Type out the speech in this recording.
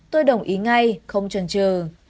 tôi đồng ý ngay không trần trừ